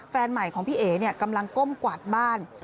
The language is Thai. แฟนใหม่ของพี่เอ๋กำลังก้มกวาดบ้าน